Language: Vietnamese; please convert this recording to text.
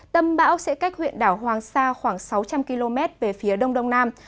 tâm bão sẽ cách huyện đảo hoàng sa khoảng sáu trăm linh km về phía đông đông nam